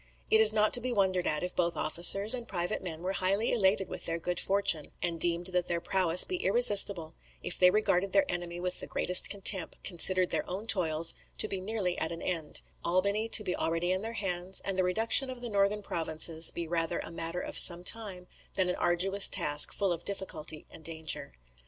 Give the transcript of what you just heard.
It is not to be wondered at, if both officers and private men were highly elated with their good fortune, and deemed that and their prowess to be irresistible; if they regarded their enemy with the greatest contempt; considered their own toils to be nearly at an end; Albany to be already in their hands; and the reduction of the northern provinces to be rather a matter of some time, than an arduous task full of difficulty and danger.